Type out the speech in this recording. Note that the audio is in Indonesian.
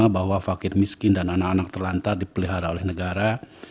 bahwa fakir miskin dan anak anak terlantar dipelihara oleh negara